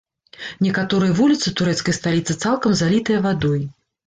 Некаторыя вуліцы турэцкай сталіцы цалкам залітыя вадой.